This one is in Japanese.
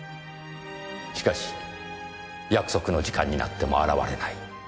しかし約束の時間になっても現れない。